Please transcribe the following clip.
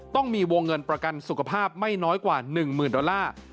ต้องมีวงเงินประกันสุขภาพไม่น้อยกว่า๑๐๐๐ดอลลาร์